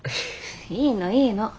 いいのいいの。